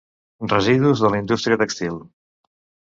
Residus de la indústria tèxtil.